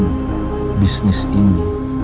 dan bisnis ini